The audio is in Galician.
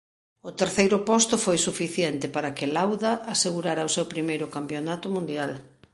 O terceiro posto foi suficiente para que Lauda asegurara o seu primeiro campionato mundial.